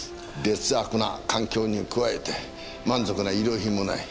劣悪な環境に加えて満足な医療品もない。